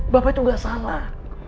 bapak itu nggak salah